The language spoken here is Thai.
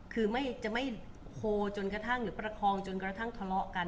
คือจะไม่โพลจนกระทั่งหรือประคองจนกระทั่งทะเลาะกัน